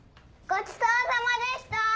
ごちそうさまでした！